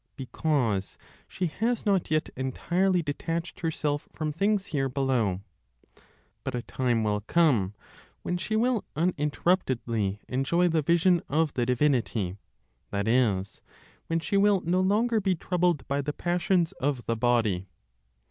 Because she has not yet entirely detached herself from things here below. But a time will come when she will uninterruptedly enjoy the vision of the divinity, that is, when she will no longer be troubled by the passions of the body.